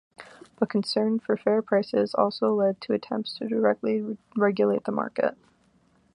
But concern for fair prices also led to attempts to directly regulate the market.